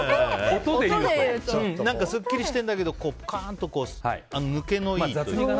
すっきりしてるんだけどカーンと抜けのいいというか。